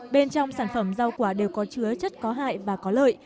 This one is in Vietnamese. bên trong sản phẩm rau quả đều có chứa chất có hại và có lợi